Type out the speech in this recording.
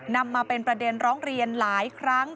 นำมาเป็นประเด็นร้องเรียนหลายครั้ง